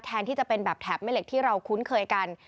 แทนที่จะเป็นแบบแถบแม่เหล็กที่เราคุ้นเคยกัน